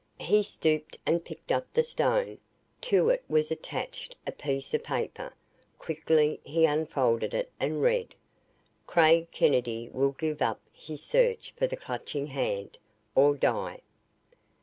He stooped and picked up the stone. To it was attached a piece of paper. Quickly he unfolded it and read: "Craig Kennedy will give up his search for the "Clutching Hand" or die!"